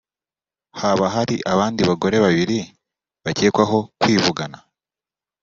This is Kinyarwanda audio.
haba hari abandi bagore babiri bakekwaho kwivugana